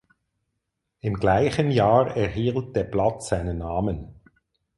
Im gleichen Jahr erhielt der Platz seinen Namen.